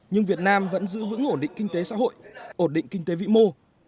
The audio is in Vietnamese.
nhưng việt nam vẫn giữ vững ổn định kinh tế xã hội ổn định kinh tế vĩ mô